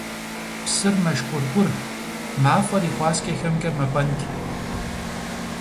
Псыр мэшкӀуркӀур, мафӀэр и хъуаскӀэхэмкӀэ мэпӀэнкӀ.